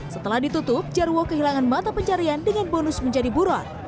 setelah ditutup jarwo kehilangan mata pencarian dengan bonus menjadi buron